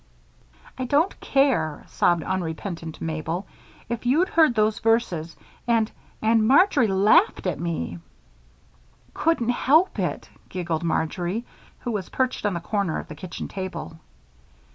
"I don't care," sobbed unrepentant Mabel. "If you'd heard those verses and and Marjory laughed at me." "Couldn't help it," giggled Marjory, who was perched on the corner of the kitchen table.